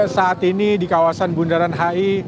saat ini di kawasan bundaran hi